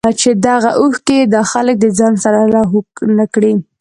چې دغه اوښکې ئې دا خلک د ځان سره لاهو نۀ کړي